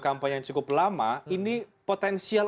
kampanye yang cukup lama ini potensial